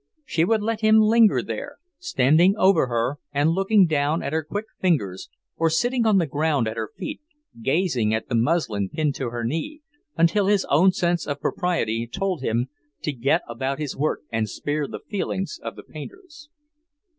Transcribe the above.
She would let him linger there, standing over her and looking down at her quick fingers, or sitting on the ground at her feet, gazing at the muslin pinned to her knee, until his own sense of propriety told him to get about his work and spare the feelings of the painters.